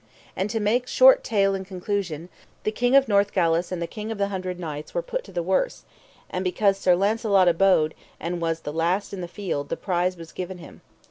And to make short tale in conclusion, the King of Northgalis and the King of the Hundred Knights were put to the worse; and because Sir Launcelot abode and was the last in the field the prize was given him.